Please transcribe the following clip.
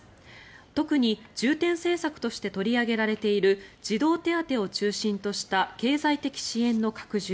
特に重点政策として取り上げられている児童手当を中心とした経済的支援の拡充